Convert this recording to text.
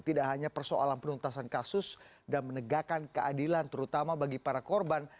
tidak hanya persoalan penuntasan kasus dan menegakkan keadilan terutama bagi para korban